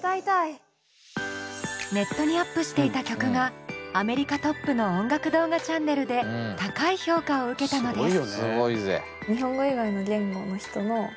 ネットにアップしていた曲がアメリカトップの音楽動画チャンネルで高い評価を受けたのです。